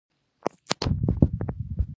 دا هغه شرایط دي چې نور پیلوټان یې نه شي زغملی